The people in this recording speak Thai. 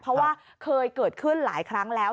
เพราะว่าเคยเกิดขึ้นหลายครั้งแล้ว